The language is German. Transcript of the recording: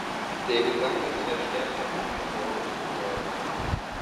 Der Gesang ist verstärkt am frühen Morgen zu hören.